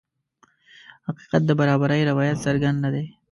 حقیقت د برابرۍ روایت څرګند نه دی.